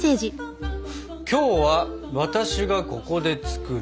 「今日は私がここで作る！！」。